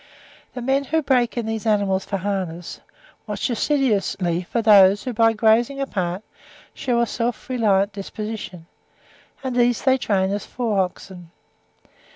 The men who break in these animals for harness, watch assiduously for those who, by grazing apart, shew a self reliant disposition, and these they train as fore oxen.